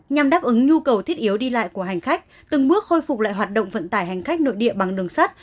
nhằm đáp ứng nhu cầu thiết yếu đi lại của hành khách từng bước khôi phục lại hoạt động vận tải hành khách nội địa bằng đường sắt